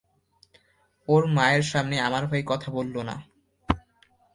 ওর মায়ের সামনে আমার হয়ে কথা বললো না।